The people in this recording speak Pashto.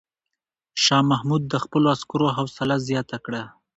شاه محمود د خپلو عسکرو حوصله زیاته کړه.